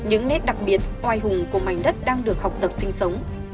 những nét đặc biệt oai hùng của mảnh đất đang được học tập sinh sống